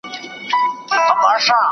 مېوې د مور له خوا راټولې کيږي